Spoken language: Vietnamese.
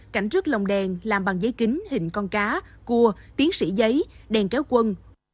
cảnh rước lồng đèn làm bằng giấy kính hình con cá cua tiến sĩ giấy đèn kéo quân